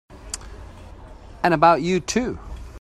And about you too!